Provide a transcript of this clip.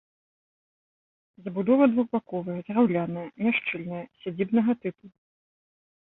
Забудова двухбаковая, драўляная, няшчыльная, сядзібнага тыпу.